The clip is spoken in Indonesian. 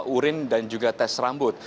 urin dan juga tes rambut